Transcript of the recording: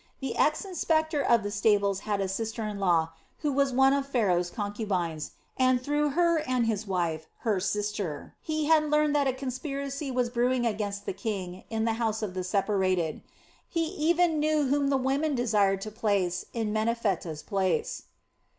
The ex inspector of the stables had a sister in law, who was one of Pharaoh's concubines, and through her and his wife, her sister, he had learned that a conspiracy was brewing against the king in the House of the Separated. [Harem]. He even knew whom the women desired to place in Menephtah's place.